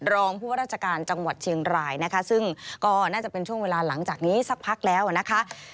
รองผู้ว่าราชการจังหวัดเชียงรายนะคะซึ่งก็น่าจะเป็นช่วงเวลาหลังจากนี้สักพักแล้วนะคะ